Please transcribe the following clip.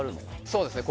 そうですね